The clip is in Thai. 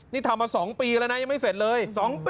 นี่ทำมา๒ปีแล้วนะยังไม่เสร็จเลย